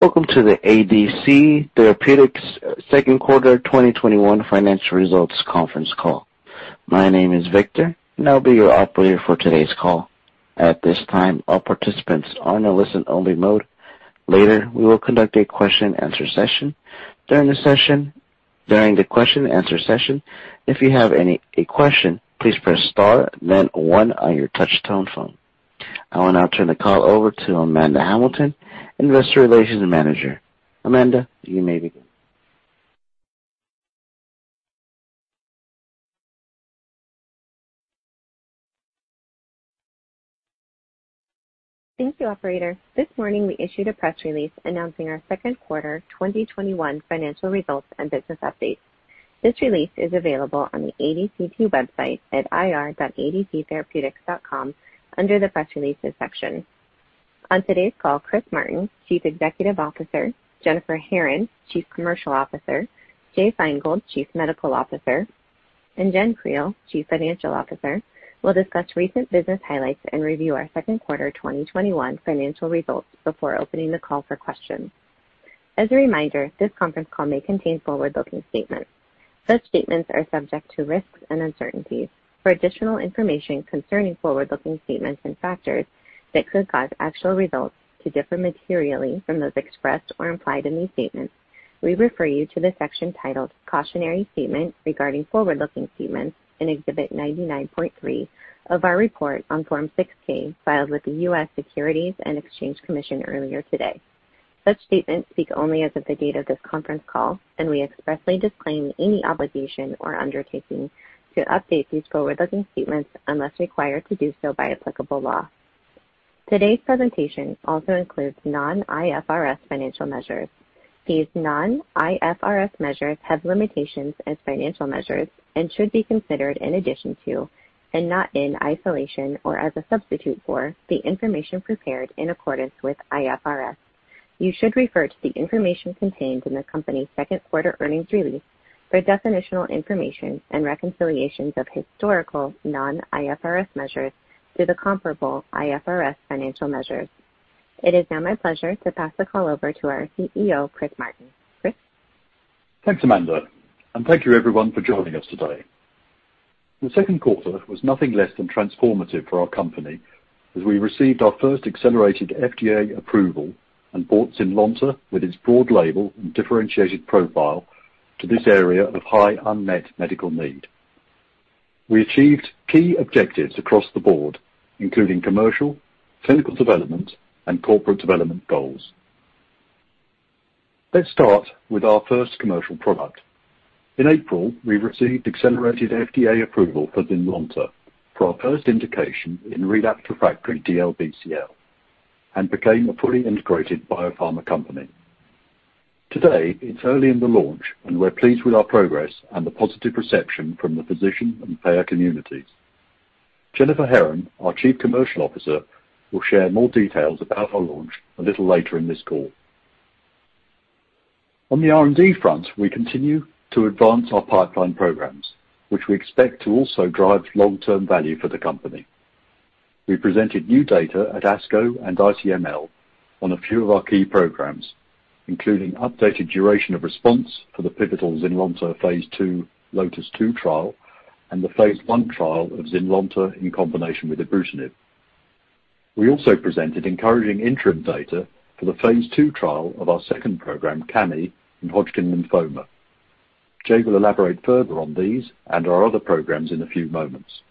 Welcome to the ADC Therapeutics second quarter 2021 financial results conference call. My name is Victor, and I'll be your operator for today's call. At this time, all participants are in a listen-only mode. Later, we will conduct a question-and-answer session. During the question-and-answer session, if you have any question, please press star then one on your touch-tone phone. I will now turn the call over to Amanda Hamilton, Investor Relations Manager. Amanda, you may begin. Thank you, operator. This morning we issued a press release announcing our second quarter 2021 financial results and business updates. This release is available on the ADCT website at ir.adctherapeutics.com under the Press Releases section. On today's call, Chris Martin, Chief Executive Officer, Jennifer Herron, Chief Commercial Officer, Jay Feingold, Chief Medical Officer, Jenn Creel, Chief Financial Officer, will discuss recent business highlights and review our second quarter 2021 financial results before opening the call for questions. As a reminder, this conference call may contain forward-looking statements. Such statements are subject to risks and uncertainties. For additional information concerning forward-looking statements and factors that could cause actual results to differ materially from those expressed or implied in these statements, we refer you to the section titled Cautionary Statement Regarding Forward-Looking Statements in Exhibit 99.3 of our report on Form 6-K filed with the U.S. Securities and Exchange Commission earlier today. Such statements speak only as of the date of this conference call, and we expressly disclaim any obligation or undertaking to update these forward-looking statements unless required to do so by applicable law. Today's presentation also includes non-IFRS financial measures. These non-IFRS measures have limitations as financial measures and should be considered in addition to, and not in isolation or as a substitute for, the information prepared in accordance with IFRS. You should refer to the information contained in the company's second quarter earnings release for definitional information and reconciliations of historical non-IFRS measures to the comparable IFRS financial measures. It is now my pleasure to pass the call over to our CEO, Chris Martin. Chris? Thanks, Amanda, and thank you everyone for joining us today. The second quarter was nothing less than transformative for our company as we received our first accelerated FDA approval and brought ZYNLONTA with its broad label and differentiated profile to this area of high unmet medical need. We achieved key objectives across the board, including commercial, clinical development, and corporate development goals. Let's start with our first commercial product. In April, we received accelerated FDA approval for ZYNLONTA for our first indication in relapsed/refractory DLBCL and became a fully integrated biopharma company. Today, it's early in the launch, and we're pleased with our progress and the positive reception from the physician and payer communities. Jennifer Herron, our Chief Commercial Officer, will share more details about our launch a little later in this call. On the R&D front, we continue to advance our pipeline programs, which we expect to also drive long-term value for the company. We presented new data at ASCO and ICML on a few of our key programs, including updated duration of response for the pivotal ZYNLONTA phase II LOTIS-2 trial and the phase I trial of ZYNLONTA in combination with ibrutinib. We also presented encouraging interim data for the phase II trial of our second program, Cami, in Hodgkin lymphoma. Jay will elaborate further on these and our other programs in a few moments.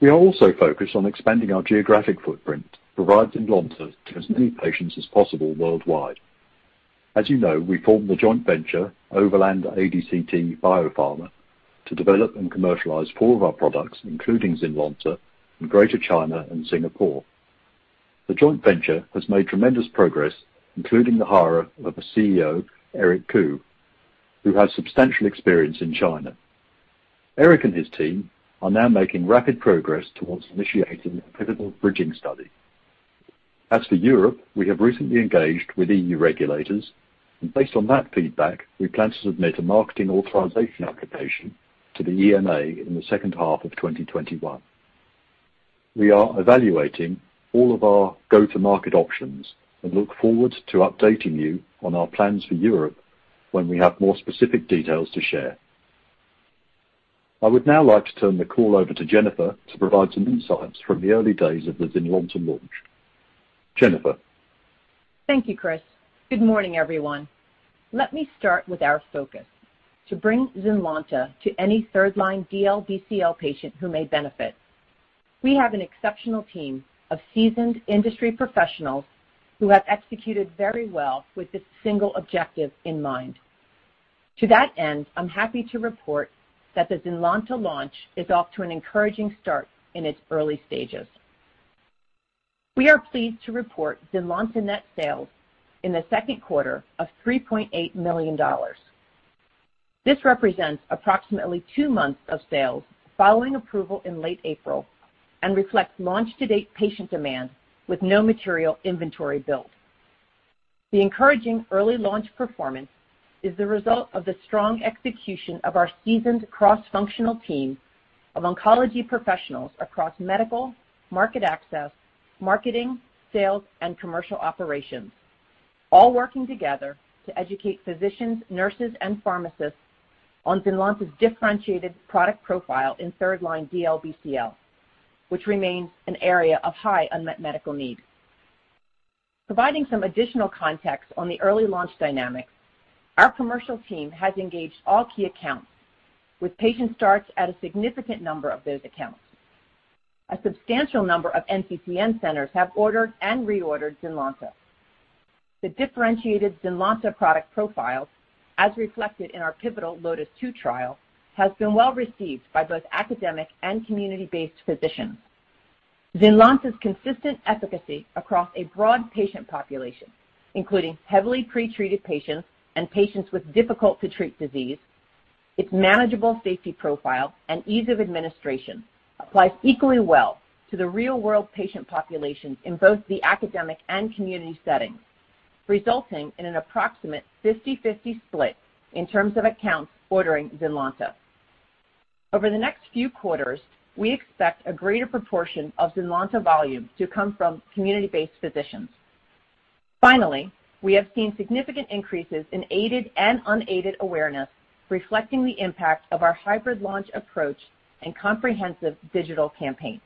We are also focused on expanding our geographic footprint to provide ZYNLONTA to as many patients as possible worldwide. As you know, we formed the joint venture Overland ADCT BioPharma to develop and commercialize four of our products, including ZYNLONTA, in Greater China and Singapore. The joint venture has made tremendous progress, including the hire of a CEO, Eric Koo, who has substantial experience in China. Eric and his team are now making rapid progress towards initiating a pivotal bridging study. As for Europe, we have recently engaged with EU regulators, and based on that feedback, we plan to submit a marketing authorization application to the EMA in the second half of 2021. We are evaluating all of our go-to-market options and look forward to updating you on our plans for Europe when we have more specific details to share. I would now like to turn the call over to Jennifer to provide some insights from the early days of the ZYNLONTA launch. Jennifer. Thank you, Chris. Good morning, everyone. Let me start with our focus: to bring ZYNLONTA to any third-line DLBCL patient who may benefit. We have an exceptional team of seasoned industry professionals who have executed very well with this single objective in mind. To that end, I'm happy to report that the ZYNLONTA launch is off to an encouraging start in its early stages. We are pleased to report ZYNLONTA net sales in the second quarter of $3.8 million. This represents approximately two months of sales following approval in late April and reflects launch-to-date patient demand with no material inventory build. The encouraging early launch performance is the result of the strong execution of our seasoned cross-functional team of oncology professionals across medical, market access, marketing, sales, and commercial operations, all working together to educate physicians, nurses, and pharmacists on ZYNLONTA's differentiated product profile in third-line DLBCL, which remains an area of high unmet medical need. Providing some additional context on the early launch dynamics, our commercial team has engaged all key accounts, with patient starts at a significant number of those accounts. A substantial number of NCCN centers have ordered and reordered ZYNLONTA. The differentiated ZYNLONTA product profiles, as reflected in our pivotal LOTIS-2 trial, has been well received by both academic and community-based physicians. ZYNLONTA's consistent efficacy across a broad patient population, including heavily pre-treated patients and patients with difficult-to-treat disease, its manageable safety profile, and ease of administration applies equally well to the real-world patient populations in both the academic and community settings, resulting in an approximate 50/50 split in terms of accounts ordering ZYNLONTA. Over the next few quarters, we expect a greater proportion of ZYNLONTA volume to come from community-based physicians. We have seen significant increases in aided and unaided awareness, reflecting the impact of our hybrid launch approach and comprehensive digital campaign.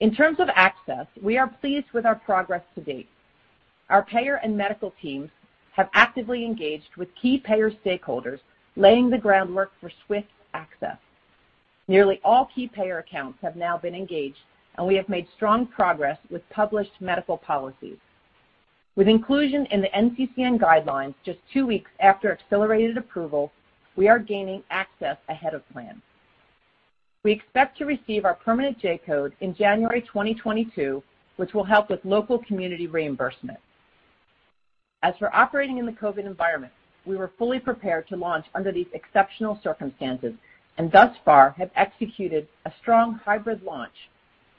In terms of access, we are pleased with our progress to date. Our payer and medical teams have actively engaged with key payer stakeholders, laying the groundwork for swift access. Nearly all key payer accounts have now been engaged, and we have made strong progress with published medical policies. With inclusion in the NCCN guidelines just two weeks after accelerated approval, we are gaining access ahead of plan. We expect to receive our permanent J-code in January 2022, which will help with local community reimbursement. As for operating in the COVID environment, we were fully prepared to launch under these exceptional circumstances and thus far have executed a strong hybrid launch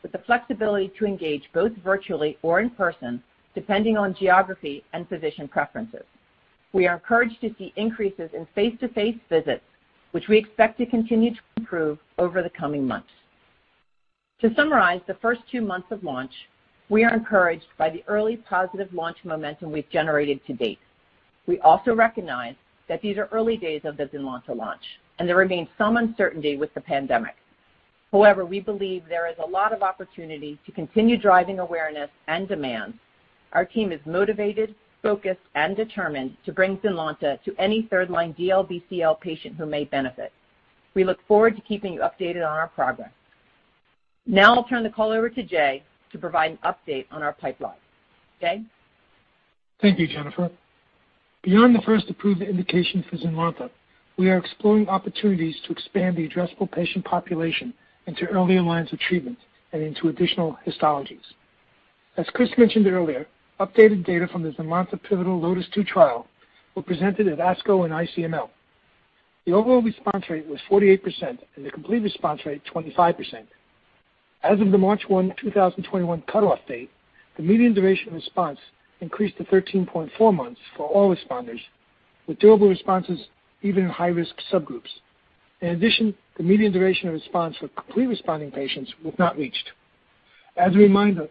with the flexibility to engage both virtually or in person, depending on geography and physician preferences. We are encouraged to see increases in face-to-face visits, which we expect to continue to improve over the coming months. To summarize the first two months of launch, we are encouraged by the early positive launch momentum we've generated to date. There remains some uncertainty with the pandemic. We believe there is a lot of opportunity to continue driving awareness and demand. Our team is motivated, focused, and determined to bring ZYNLONTA to any third-line DLBCL patient who may benefit. We look forward to keeping you updated on our progress. I'll turn the call over to Jay to provide an update on our pipeline. Jay? Thank you, Jennifer. Beyond the first approved indication for ZYNLONTA, we are exploring opportunities to expand the addressable patient population into earlier lines of treatment and into additional histologies. As Chris mentioned earlier, updated data from the ZYNLONTA pivotal LOTIS-2 trial were presented at ASCO and ICML. The overall response rate was 48% and the complete response rate 25%. As of the March 1, 2021 cutoff date, the median duration response increased to 13.4 months for all responders with durable responses, even in high-risk subgroups. The median duration of response for completely responding patients was not reached. As a reminder,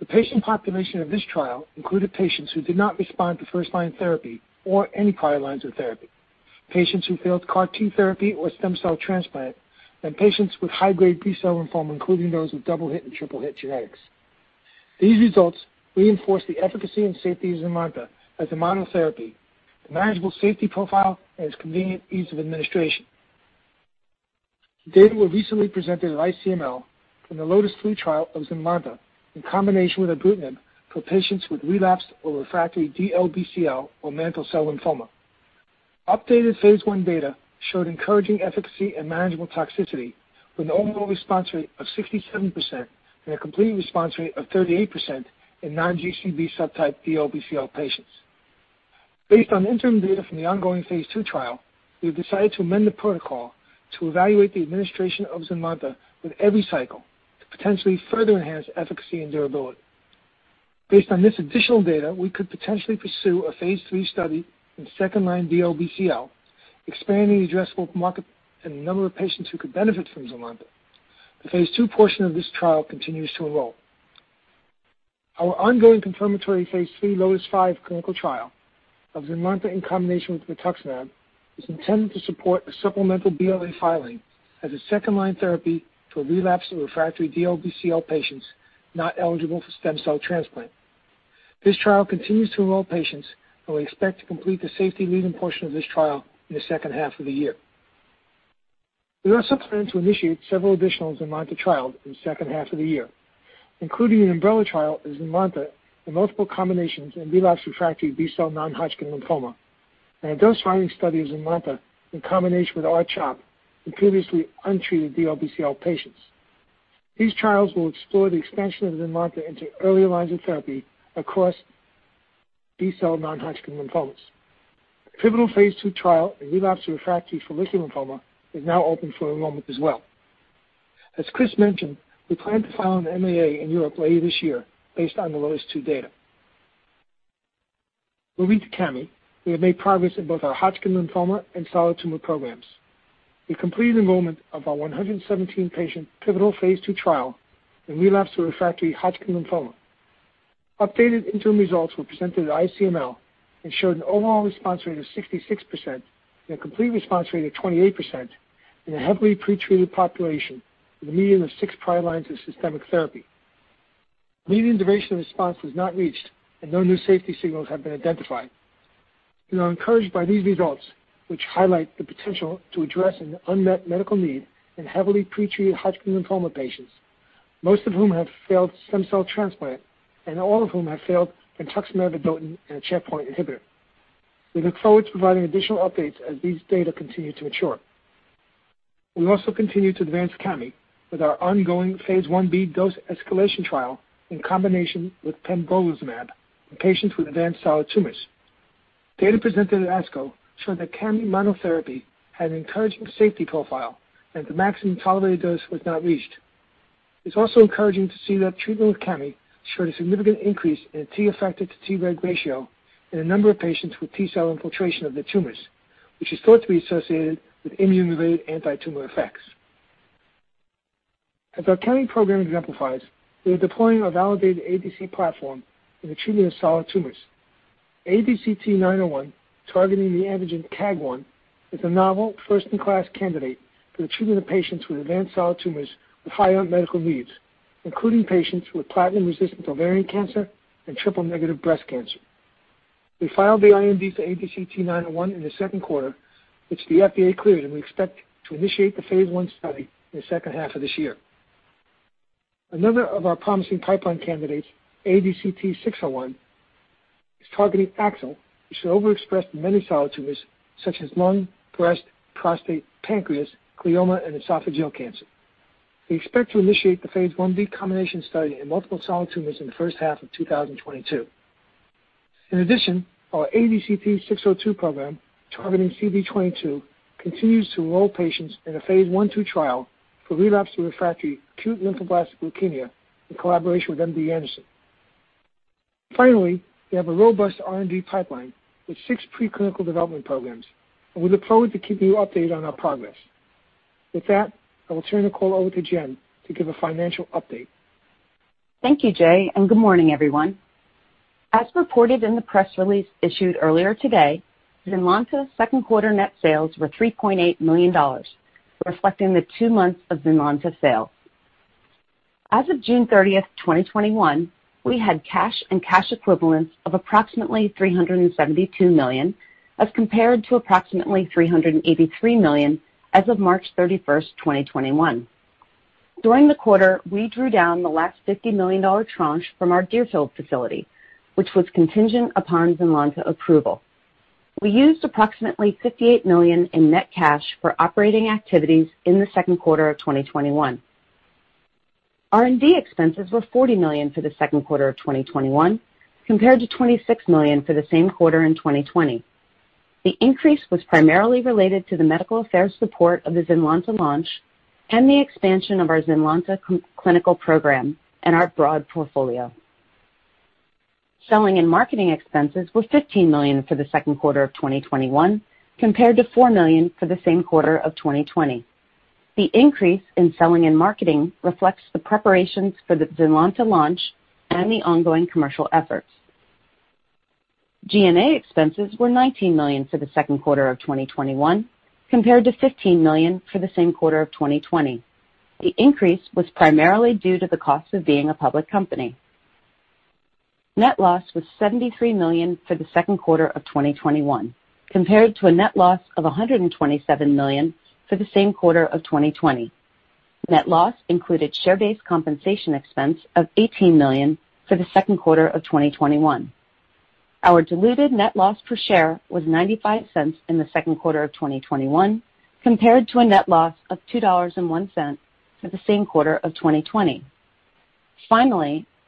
the patient population of this trial included patients who did not respond to first-line therapy or any prior lines of therapy, patients who failed CAR T therapy or stem cell transplant, and patients with high-grade B-cell lymphoma, including those with double-hit and triple-hit genetics. These results reinforce the efficacy and safety of ZYNLONTA as a monotherapy, the manageable safety profile, and its convenient ease of administration. Data were recently presented at ICML from the LOTIS-3 trial of ZYNLONTA in combination with ibrutinib for patients with relapsed or refractory DLBCL or mantle cell lymphoma. Updated phase I data showed encouraging efficacy and manageable toxicity with an overall response rate of 67% and a complete response rate of 38% in non-GCB subtype DLBCL patients. Based on interim data from the ongoing phase II trial, we have decided to amend the protocol to evaluate the administration of ZYNLONTA with every cycle to potentially further enhance efficacy and durability. Based on this additional data, we could potentially pursue a phase III study in second-line DLBCL, expanding the addressable market and the number of patients who could benefit from ZYNLONTA. The phase II portion of this trial continues to enroll. Our ongoing confirmatory phase III LOTIS-5 clinical trial of ZYNLONTA in combination with rituximab is intended to support a supplemental BLA filing as a second-line therapy for relapsed or refractory DLBCL patients not eligible for stem cell transplant. This trial continues to enroll patients, and we expect to complete the safety reading portion of this trial in the second half of the year. We also plan to initiate several additional ZYNLONTA trials in the second half of the year, including an umbrella trial of ZYNLONTA in multiple combinations in relapsed/refractory B-cell non-Hodgkin lymphoma and a dose-finding study of ZYNLONTA in combination with R-CHOP in previously untreated DLBCL patients. These trials will explore the expansion of ZYNLONTA into earlier lines of therapy across B-cell non-Hodgkin lymphomas. The pivotal phase II trial in relapsed/refractory follicular lymphoma is now open for enrollment as well. As Chris mentioned, we plan to file an MAA in Europe later this year based on the LOTIS-2 data. Moving to Cami, we have made progress in both our Hodgkin lymphoma and solid tumor programs. We completed enrollment of our 117-patient pivotal phase II trial in relapsed or refractory Hodgkin lymphoma. Updated interim results were presented at ICML and showed an overall response rate of 66% and a complete response rate of 28% in a heavily pretreated population with a median of six prior lines of systemic therapy. Median duration of response was not reached, and no new safety signals have been identified. We are encouraged by these results, which highlight the potential to address an unmet medical need in heavily pretreated Hodgkin lymphoma patients, most of whom have failed stem cell transplant, and all of whom have failed brentuximab vedotin and a checkpoint inhibitor. We look forward to providing additional updates as these data continue to mature. We also continue to advance Cami with our ongoing phase I-B dose escalation trial in combination with pembrolizumab in patients with advanced solid tumors. Data presented at ASCO showed that Cami monotherapy had an encouraging safety profile, and the maximum tolerated dose was not reached. It is also encouraging to see that treatment with Cami showed a significant increase in T-effector to T-reg ratio in a number of patients with T-cell infiltration of their tumors, which is thought to be associated with immune-related antitumor effects. As our Cami program exemplifies, we are deploying our validated ADC platform in the treatment of solid tumors. ADCT-901, targeting the antigen KAAG1, is a novel first-in-class candidate for the treatment of patients with advanced solid tumors with high unmet medical needs, including patients with platinum-resistant ovarian cancer and triple-negative breast cancer. We filed the IND for ADCT-901 in the second quarter, which the FDA cleared, and we expect to initiate the phase I study in the second half of this year. Another of our promising pipeline candidates, ADCT-601, is targeting AXL, which is overexpressed in many solid tumors, such as lung, breast, prostate, pancreas, glioma, and esophageal cancer. We expect to initiate the phase I-B combination study in multiple solid tumors in the first half of 2022. In addition, our ADCT-602 program, targeting CD22, continues to enroll patients in a phase I/II trial for relapse refractory acute lymphoblastic leukemia in collaboration with MD Anderson. Finally, we have a robust R&D pipeline with six preclinical development programs, and we look forward to keeping you updated on our progress. With that, I will turn the call over to Jenn to give a financial update. Thank you, Jay, and good morning, everyone. As reported in the press release issued earlier today, ZYNLONTA second quarter net sales were $3.8 million, reflecting the two months of ZYNLONTA sales. As of June 30th, 2021, we had cash and cash equivalents of approximately $372 million as compared to approximately $383 million as of March 31st, 2021. During the quarter, we drew down the last $50 million tranche from our Deerfield facility, which was contingent upon ZYNLONTA approval. We used approximately $58 million in net cash for operating activities in the second quarter of 2021. R&D expenses were $40 million for the second quarter of 2021 compared to $26 million for the same quarter in 2020. The increase was primarily related to the medical affairs support of the ZYNLONTA launch and the expansion of our ZYNLONTA clinical program and our broad portfolio. Selling and marketing expenses were $15 million for the second quarter of 2021 compared to $4 million for the same quarter of 2020. The increase in selling and marketing reflects the preparations for the ZYNLONTA launch and the ongoing commercial efforts. G&A expenses were $19 million for the second quarter of 2021 compared to $15 million for the same quarter of 2020. The increase was primarily due to the cost of being a public company. Net loss was $73 million for the second quarter of 2021 compared to a net loss of $127 million for the same quarter of 2020. Net loss included share-based compensation expense of $18 million for the second quarter of 2021. Our diluted net loss per share was $0.95 in the second quarter of 2021 compared to a net loss of $2.01 for the same quarter of 2020.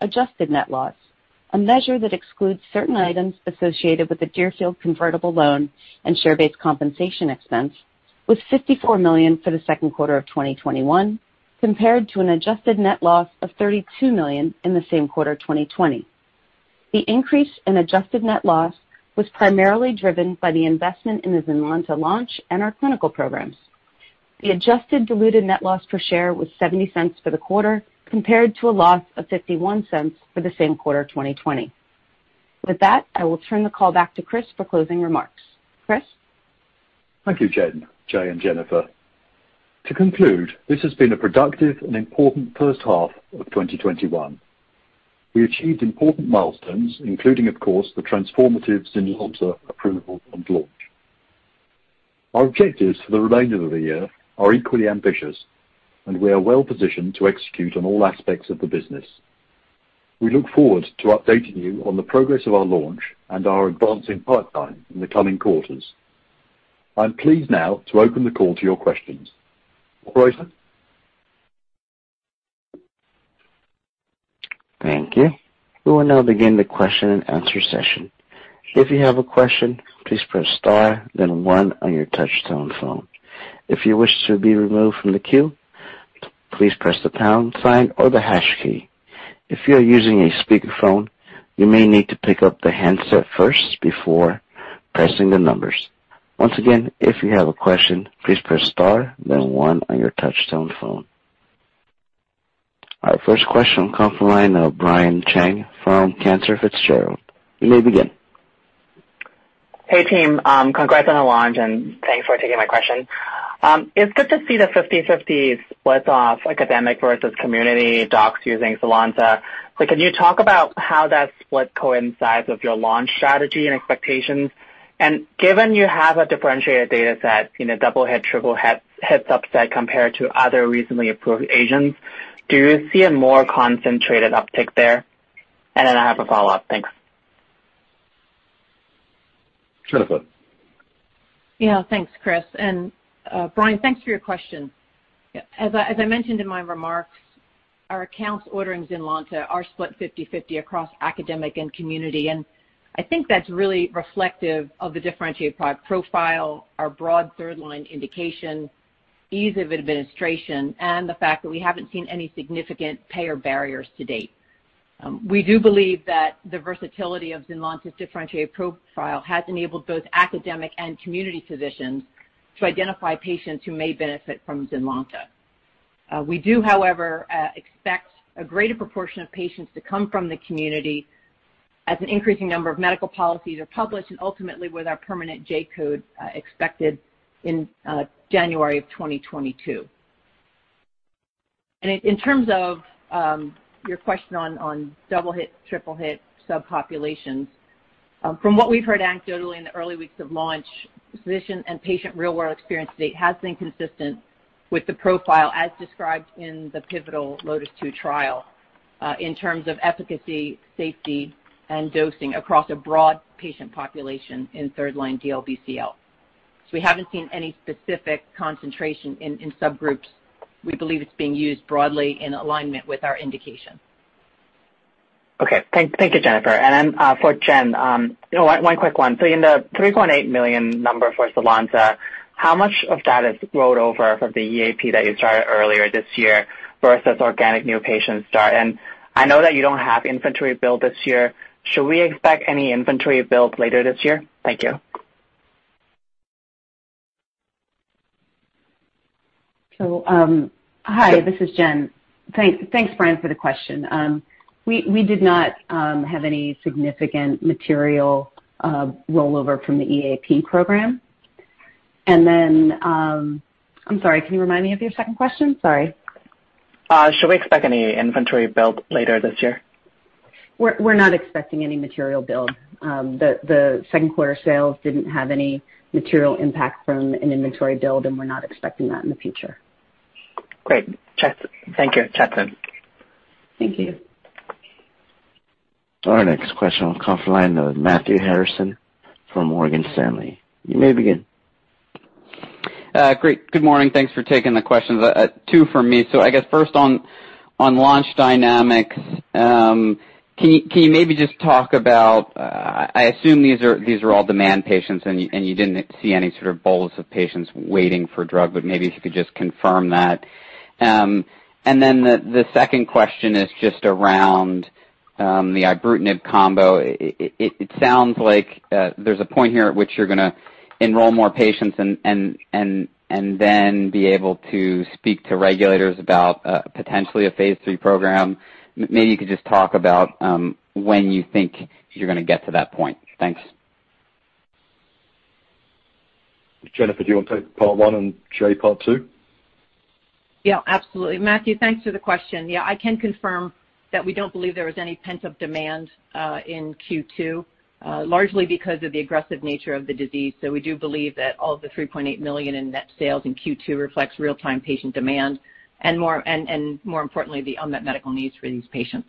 Adjusted net loss, a measure that excludes certain items associated with the Deerfield convertible loan and share-based compensation expense, was $54 million for the second quarter of 2021 compared to an adjusted net loss of $32 million in the same quarter 2020. The increase in adjusted net loss was primarily driven by the investment in the ZYNLONTA launch and our clinical programs. The adjusted diluted net loss per share was $0.70 for the quarter compared to a loss of $0.51 for the same quarter 2020. I will turn the call back to Chris for closing remarks. Chris? Thank you, Jenn, Jay, and Jennifer. To conclude, this has been a productive and important first half of 2021. We achieved important milestones, including, of course, the transformative ZYNLONTA approval and launch. Our objectives for the remainder of the year are equally ambitious, and we are well-positioned to execute on all aspects of the business. We look forward to updating you on the progress of our launch and our advancing pipeline in the coming quarters. I'm pleased now to open the call to your questions. Operator? Thank you. We will now begin the question-and-answer session. If you have a question, please press star then one on your touch-tone phone. If you wish to be removed from the queue. Please press the pound sign or the hash key. If you're using a speakerphone, you may need to pick up the handset first before pressing the numbers. Once again, if you have a question, please press star then one on your touch-tone phone. Our first question will come from the line of Brian Cheng from Cantor Fitzgerald. You may begin. Hey, team. Congrats on the launch, and thanks for taking my question. It's good to see the 50/50 split of academic versus community docs using ZYNLONTA. Can you talk about how that split coincides with your launch strategy and expectations? Given you have a differentiated data set, double-hit, triple-hit subset compared to other recently approved agents, do you see a more concentrated uptick there? Then I have a follow-up. Thanks. Jennifer. Thanks, Chris. Brian, thanks for your question. As I mentioned in my remarks, our accounts ordering ZYNLONTA are split 50-50 across academic and community. I think that's really reflective of the differentiated product profile, our broad 3rd-line indication, ease of administration, and the fact that we haven't seen any significant payer barriers to date. We do believe that the versatility of ZYNLONTA's differentiated profile has enabled both academic and community physicians to identify patients who may benefit from ZYNLONTA. We do, however, expect a greater proportion of patients to come from the community as an increasing number of medical policies are published and ultimately with our permanent J-code expected in January 2022. In terms of your question on double-hit, triple-hit subpopulations. From what we've heard anecdotally in the early weeks of launch, physician and patient real-world experience to date has been consistent with the profile as described in the pivotal LOTIS-2 trial, in terms of efficacy, safety, and dosing across a broad patient population in third line DLBCL. We haven't seen any specific concentration in subgroups. We believe it's being used broadly in alignment with our indication. Okay. Thank you, Jennifer. For Jenn, one quick one. In the $3.8 million number for ZYNLONTA, how much of that is rolled over from the EAP that you started earlier this year versus organic new patient start? I know that you don't have inventory build this year. Should we expect any inventory build later this year? Thank you. Hi. This is Jenn. Thanks, Brian, for the question. We did not have any significant material rollover from the EAP program. I'm sorry, can you remind me of your second question? Sorry. Should we expect any inventory build later this year? We're not expecting any material build. The second quarter sales didn't have any material impact from an inventory build, and we're not expecting that in the future. Great. Thank you. Chat soon. Thank you. Our next question will come from the line of Matthew Harrison from Morgan Stanley. You may begin. Great. Good morning. Thanks for taking the questions. Two from me. I guess first on launch dynamics. Can you maybe just talk about, I assume these are all demand patients, and you didn't see any sort of bolus of patients waiting for drug, but maybe if you could just confirm that. The second question is just around the ibrutinib combo. It sounds like there's a point here at which you're going to enroll more patients and then be able to speak to regulators about potentially a phase III program. Maybe you could just talk about when you think you're going to get to that point. Thanks. Jennifer, do you want to take part one, and Jay, part two? Yeah, absolutely. Matthew, thanks for the question. Yeah, I can confirm that we don't believe there was any pent-up demand in Q2, largely because of the aggressive nature of the disease. We do believe that all of the $3.8 million in net sales in Q2 reflects real-time patient demand and more importantly, the unmet medical needs for these patients.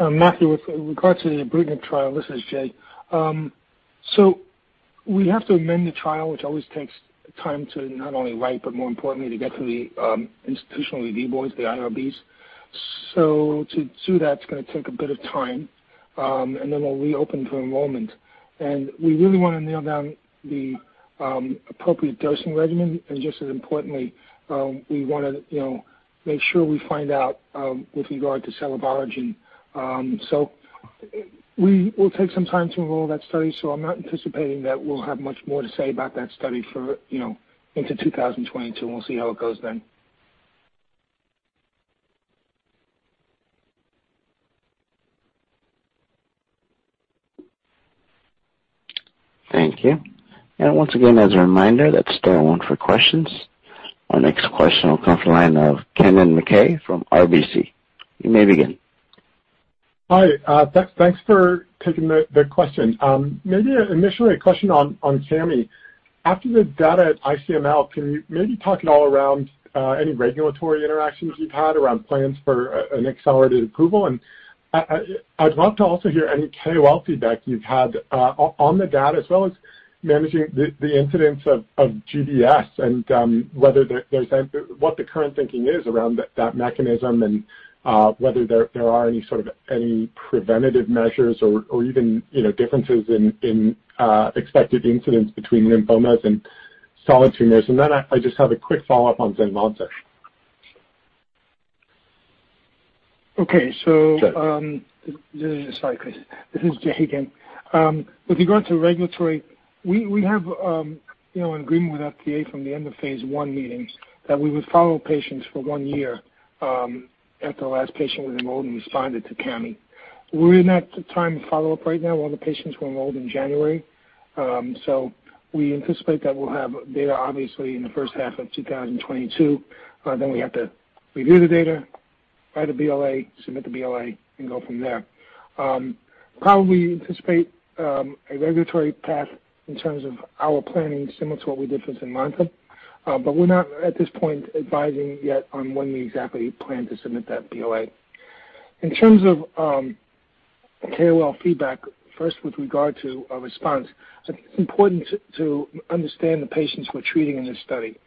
Matthew, with regards to the ibrutinib trial, this is Jay. We have to amend the trial, which always takes time to not only write, but more importantly, to get to the Institutional Review Boards, the IRBs. To do that, it's going to take a bit of time, and then we'll reopen for enrollment. We really want to nail down the appropriate dosing regimen and just as importantly, we want to make sure we find out with regard to cell of origin. We will take some time to enroll that study. I'm not anticipating that we'll have much more to say about that study into 2022. We'll see how it goes then. Thank you. Once again, as a reminder, that's star one for questions. Our next question will come from the line of Kennen MacKay from RBC. You may begin. Hi. Thanks for taking the question. Maybe initially a question on Cami. After the data at ICML, can you maybe talk at all around any regulatory interactions you've had around plans for an accelerated approval? I'd love to also hear any KOL feedback you've had on the data as well as managing the incidence of GBS and what the current thinking is around that mechanism and whether there are any sort of preventative measures or even differences in expected incidence between lymphomas and solid tumors. I just have a quick follow-up on ZYNLONTA. Okay. This is Jay Feingold again. With regard to regulatory, we have an agreement with FDA from the end of phase I meetings that we would follow patients for one year after the last patient was enrolled and responded to Cami. We're in that time follow-up right now. All the patients were enrolled in January. We anticipate that we'll have data, obviously, in the first half of 2022. We have to review the data, write a BLA, submit the BLA, and go from there. Probably anticipate a regulatory path in terms of our planning similar to what we did for ZYNLONTA. We're not, at this point, advising yet on when we exactly plan to submit that BLA. In terms of KOL feedback, first, with regard to a response, I think it's important to understand the patients we're treating in this study.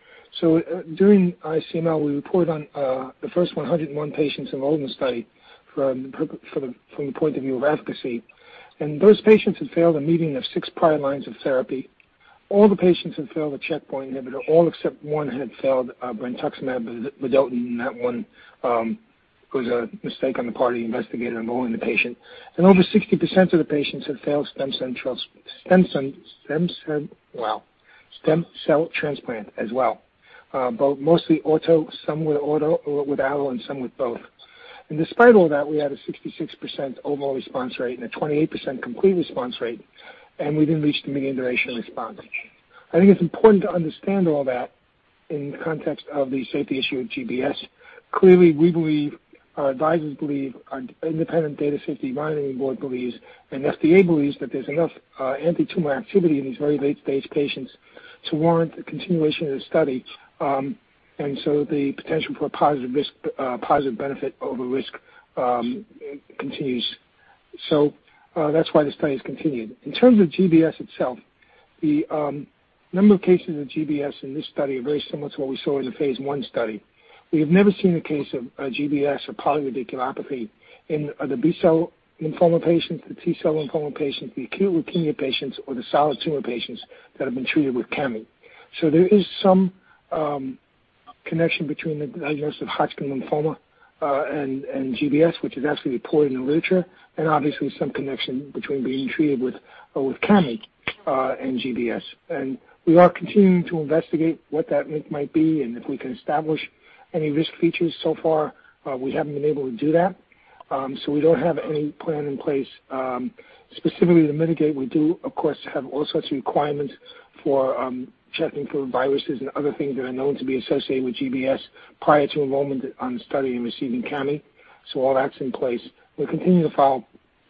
During ICML, we reported on the first 101 patients enrolled in the study from the point of view of efficacy. Those patients had failed a median of six prior lines of therapy. All the patients had failed a checkpoint inhibitor. All except one had failed brentuximab vedotin. That one was a mistake on the part of the investigator enrolling the patient. Over 60% of the patients had failed stem cell transplant as well, both mostly auto, some with auto or with allo, and some with both. Despite all that, we had a 66% overall response rate and a 28% complete response rate. We didn't reach the median duration of response. I think it's important to understand all that in the context of the safety issue with GBS. Clearly, we believe, our advisors believe, our independent data safety monitoring board believes, and FDA believes that there's enough anti-tumor activity in these very late-stage patients to warrant the continuation of the study. The potential for positive benefit over risk continues. That's why the study is continuing. In terms of GBS itself, the number of cases of GBS in this study are very similar to what we saw in the phase I study. We have never seen a case of GBS or polyradiculopathy in the B-cell lymphoma patients, the T-cell lymphoma patients, the acute leukemia patients, or the solid tumor patients that have been treated with Cami. There is some connection between the diagnosis of Hodgkin lymphoma and GBS, which is actually reported in the literature, and obviously some connection between being treated with Cami and GBS. We are continuing to investigate what that link might be and if we can establish any risk features. So far, we haven't been able to do that. We don't have any plan in place specifically to mitigate. We do, of course, have all sorts of requirements for checking for viruses and other things that are known to be associated with GBS prior to enrollment on study and receiving Cami. All that's in place. We'll continue to follow up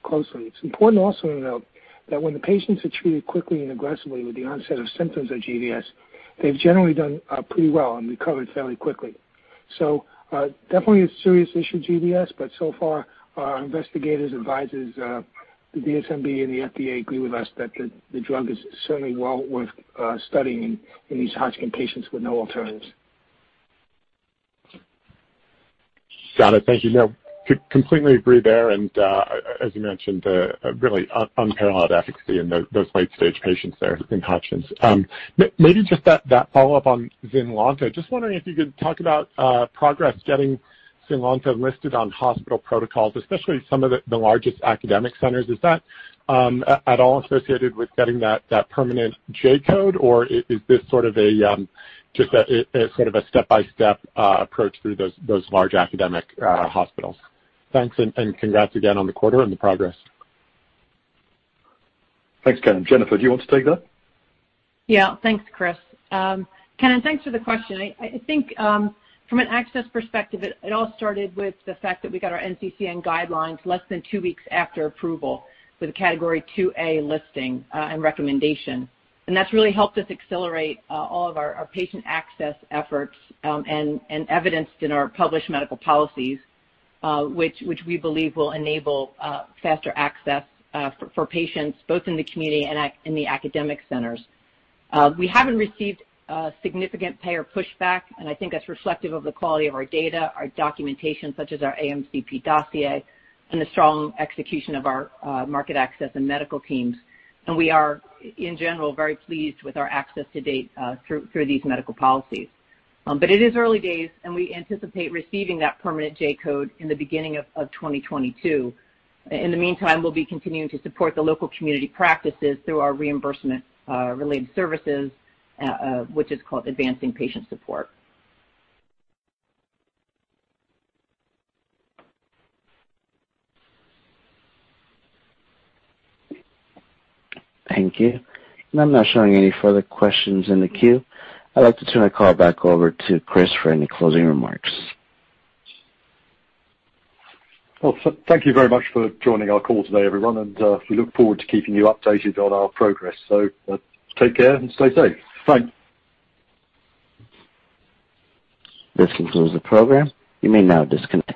closely. It's important also to note that when the patients are treated quickly and aggressively with the onset of symptoms of GBS, they've generally done pretty well and recovered fairly quickly. Definitely a serious issue, GBS, but so far, our investigators, advisors, the DSMB, and the FDA agree with us that the drug is certainly well worth studying in these Hodgkin patients with no alternatives. Jay, thank you. Completely agree there, and as you mentioned, really unparalleled efficacy in those late-stage patients there in Hodgkin lymphoma. Just that follow-up on ZYNLONTA, just wondering if you could talk about progress getting ZYNLONTA listed on hospital protocols, especially some of the largest academic centers. Is that at all associated with getting that permanent J code, or is this sort of a step-by-step approach through those large academic hospitals? Thanks, and congrats again on the quarter and the progress. Thanks, Ken. Jennifer, do you want to take that? Yeah. Thanks, Chris. Ken, thanks for the question. I think from an access perspective, it all started with the fact that we got our NCCN guidelines less than two weeks after approval with a category 2A listing and recommendation. That's really helped us accelerate all of our patient access efforts and evidenced in our published medical policies, which we believe will enable faster access for patients both in the community and in the academic centers. We haven't received significant payer pushback, and I think that's reflective of the quality of our data, our documentation, such as our AMCP dossier, and the strong execution of our market access and medical teams. We are, in general, very pleased with our access to date through these medical policies. It is early days, and we anticipate receiving that permanent J-code in the beginning of 2022. In the meantime, we'll be continuing to support the local community practices through our reimbursement-related services, which is called ADVANCING Patient Support. Thank you. I'm not showing any further questions in the queue. I'd like to turn the call back over to Chris for any closing remarks. Well, thank you very much for joining our call today, everyone, and we look forward to keeping you updated on our progress. Take care and stay safe. Bye. This concludes the program. You may now disconnect.